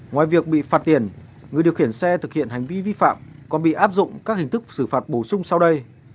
ngoài việc bị phạt tiền người điều khiển xe thực hiện hành vi vi phạm còn bị áp dụng các hình thức xử phạt bổ sung sau đây